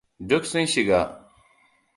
Duk sun shiga!